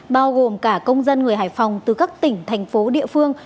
bao gồm cả công dân người hải phòng từ các tỉnh thành phố địa phương